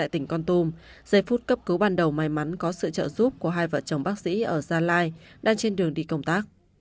trong tùm giây phút cấp cứu ban đầu may mắn có sự trợ giúp của hai vợ chồng bác sĩ ở gia lai đang trên đường đi công tác